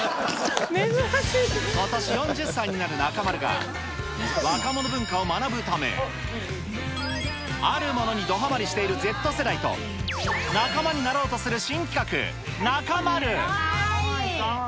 ことし４０歳になる中丸が、若者文化を学ぶため、あるものにドハマりしているＺ世代と、仲間になろうとする新企画、ナカマる！